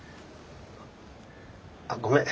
あっごめん。